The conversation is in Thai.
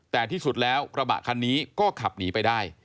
แต่ที่สุดแล้วกระบะคันนี้ก็ขับหนีไปได้